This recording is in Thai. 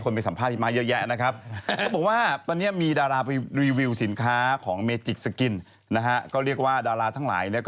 เนรเป็นเด็กด้วยนะโอเคอีกเรื่องนึง